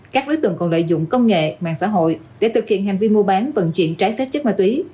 các đối tượng còn lợi dụng công nghệ mạng xã hội để thực hiện hành vi mua bán vận chuyển trái phép chất ma túy